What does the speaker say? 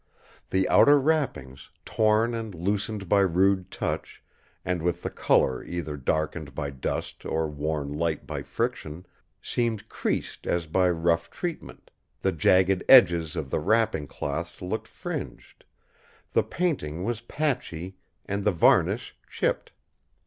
The outer wrappings, torn and loosened by rude touch, and with the colour either darkened by dust or worn light by friction, seemed creased as by rough treatment; the jagged edges of the wrapping cloths looked fringed; the painting was patchy, and the varnish chipped.